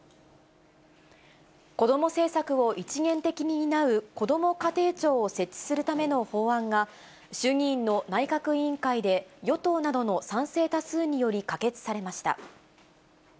子ども政策を一元的に担う、こども家庭庁を設置するための法案が、衆議院の内閣委員会で与党などの賛成多数により、可決されました。